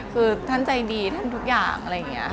คือท่านใจดีท่านทุกอย่าง